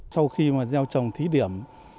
sau khi gieo trồng thí điểm